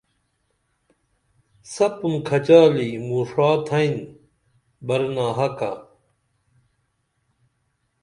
سپُن کھچالی موݜا تھئین برناحقہ